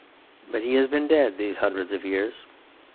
But he has been dead these hundreds of years.